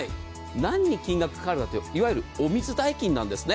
何に金額がかかるかというといわゆるお水代金なんですね。